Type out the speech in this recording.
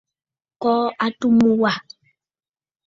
Kɔɔ atu mu wâ.